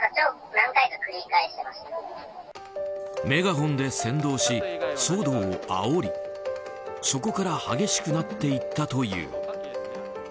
メガホンで先導し騒動をあおりそこから激しくなっていったという。